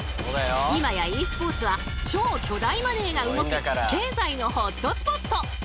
今やｅスポーツは超巨大マネーが動く経済のホットスポット。